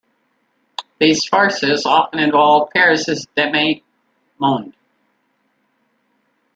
These farces often involved Paris' "demi-monde".